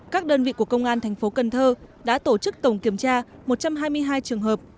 các đơn vị của công an tp cn đã tổ chức tổng kiểm tra một trăm hai mươi hai trường hợp